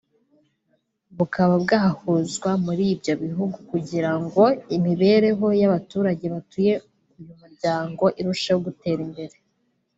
bukaba bwahuzwa muri ibyo bihugu kugira ngo imibereho y’abaturage batuye uyu muryango irusheho gutera imbere